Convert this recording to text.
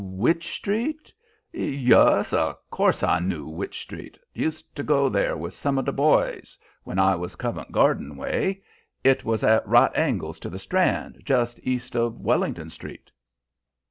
"Wych Street? Yus, of course I knoo Wych Street. Used to go there with some of the boys when I was Covent Garden way. It was at right angles to the Strand, just east of Wellington Street."